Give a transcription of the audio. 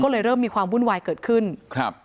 ก็เลยเริ่มมีความวุ่นวายเกิดขึ้นครับ